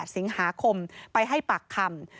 สิงหาคมไปให้ปากคำ